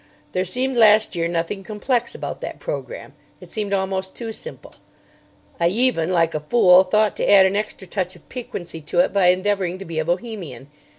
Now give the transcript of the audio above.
There seemed last year nothing complex about that programme. It seemed almost too simple. I even, like a fool, thought to add an extra touch of piquancy to it by endeavouring to be a Bohemian.